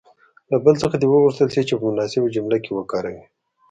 له بل څخه دې وغوښتل شي چې په مناسبه جمله کې وکاروي.